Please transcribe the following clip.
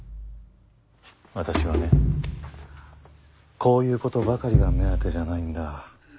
私はねこういうことばかりが目当てじゃないんだ。